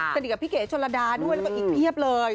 สนิทกับพี่เก๋ชนระดาด้วยแล้วก็อีกเพียบเลย